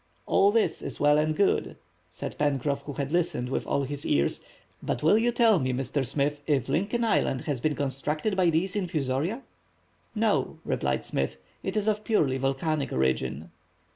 "All this is well and good," said Pencroff, who had listened with all his ears, "but will you tell me, Mr. Smith, if Lincoln Island has been constructed by these infusoria." "No," replied Smith, "it is of purely volcanic origin."